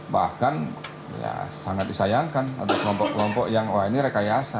bahkan ya sangat disayangkan ada kelompok kelompok yang wah ini rekayasa